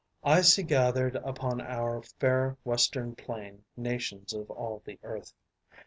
I see gathered upon our fair western plain nations of all the earth.